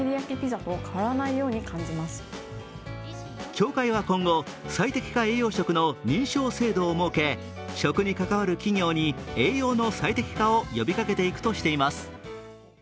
協会は今後、最適化栄養食の認証制度を設け食に関わる企業に栄養の最適化を呼びかけていくとしています。